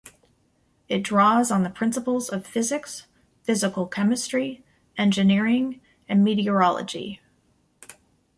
It draws on the principles of physics, physical chemistry, engineering, and meteorology.